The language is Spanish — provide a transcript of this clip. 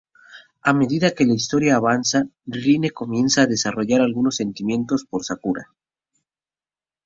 A medida que la historia avanza, Rinne comienza a desarrollar algunos sentimientos por Sakura.